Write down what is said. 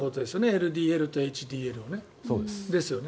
ＬＤＬとＨＤＬをね。